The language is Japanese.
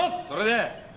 それで？